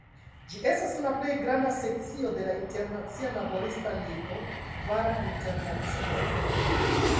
Ĝi estas la plej granda sekcio de la Internacia Laborista Ligo (Kvara Internacio).